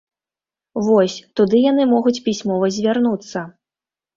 Вось, туды яны могуць пісьмова звярнуцца.